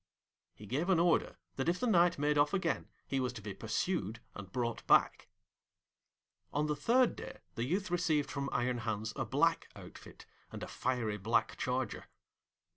He gave an order that if the Knight made off again he was to be pursued and brought back. On the third day the youth received from Iron Hans a black outfit, and a fiery black charger.